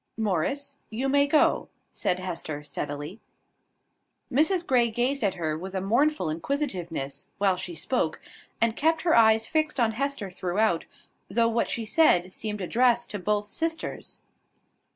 "Morris, you may go," said Hester, steadily. Mrs Grey gazed at her with a mournful inquisitiveness, while she spoke; and kept her eyes fixed on Hester throughout, though what she said seemed addressed to both sisters.